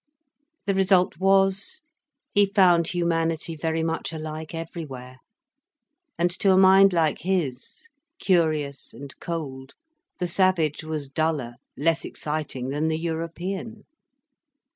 The result was, he found humanity very much alike everywhere, and to a mind like his, curious and cold, the savage was duller, less exciting than the European.